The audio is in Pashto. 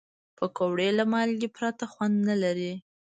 پکورې له مالګې پرته خوند نه لري